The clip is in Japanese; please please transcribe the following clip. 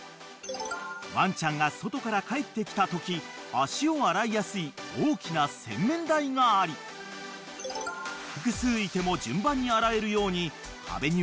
［ワンちゃんが外から帰ってきたとき足を洗いやすい大きな洗面台があり複数いても順番に洗えるように壁にはリード掛けも完備］